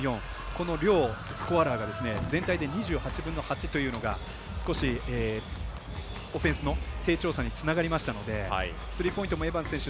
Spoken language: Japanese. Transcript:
この両スコアラーが、全体で２８分の８というのが少しオフェンスの低調さにつながりましたのでスリーポイントもエバンス選手